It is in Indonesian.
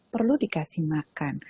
perlu dikasih makan